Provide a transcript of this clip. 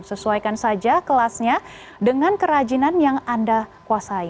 sesuaikan saja kelasnya dengan kerajinan yang anda kuasai